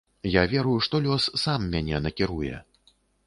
Я веру, што лёс сам мяне накіруе.